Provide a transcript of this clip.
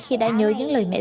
khi đã nhớ những lời mẹ gái